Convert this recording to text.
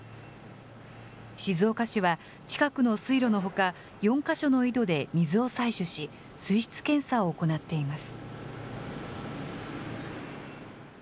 静岡市は近くの水路のほか、４か所の井戸で水を採取し、水質検査を行っています。